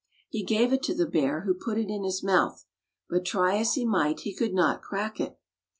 He gave it to the bear, who put it in his mouth, but try as he might he could not crack it.